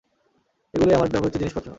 এগুলোই আমার ব্যবহৃত জিনিসপত্র।